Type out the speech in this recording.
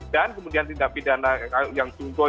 dan kemudian tidak pidana yang sungguh